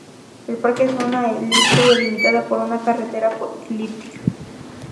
El parque es una elipse delimitada por una carretera elíptica.